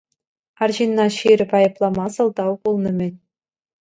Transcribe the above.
Арҫынна ҫирӗп айӑплама сӑлтав пулнӑ-мӗн.